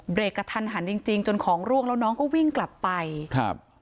กระทันหันจริงจริงจนของร่วงแล้วน้องก็วิ่งกลับไปครับ